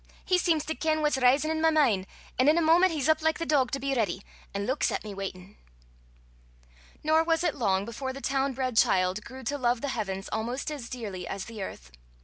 He seems to ken what's risin' i' my min', an' in a moment he's up like the dog to be ready, an' luiks at me waitin'." Nor was it long before the town bred child grew to love the heavens almost as dearly as the earth.